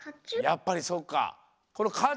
やっぱりそうか。